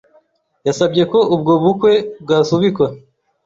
yasabye ko ubwo bukwe bwasubikwa